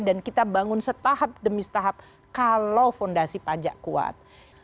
dan kita bangun setahap demi setahap kalau fondasi pajak kuat